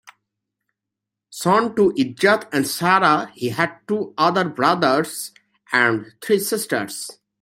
Son to Ezzat and Sara, he had two other brothers and three sisters.